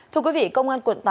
thưa quý vị công an quận tám